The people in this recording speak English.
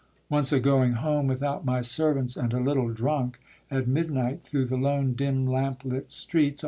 once a going home, Without my servants, and a little drunk, At midnight through the lone dim lamp lit streets.